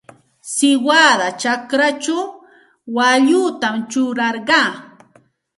Siwada chakrachaw waallutam churarqaa.